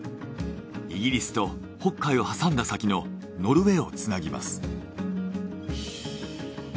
イギリスと北海を挟んだ先のノルウェーをつなぎます。